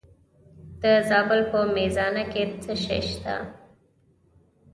د زابل په میزانه کې څه شی شته؟